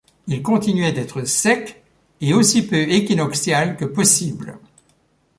Il continuait d’être sec et aussi peu équinoxial que possible.